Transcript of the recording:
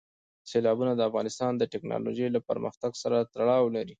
سیلابونه د افغانستان د تکنالوژۍ له پرمختګ سره تړاو لري.